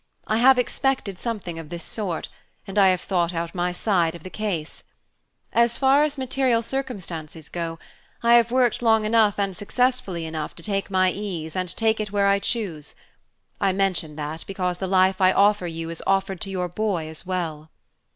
I have expected something of this sort, and I have thought out my side of the case. As far as material circumstances go, I have worked long enough and successfully enough to take my ease and take it where I choose. I mention that because the life I offer you is offered to your boy as well."